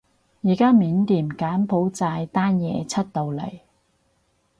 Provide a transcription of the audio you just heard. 而家緬甸柬埔寨單嘢出到嚟